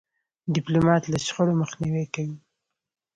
ډيپلومات له شخړو مخنیوی کوي.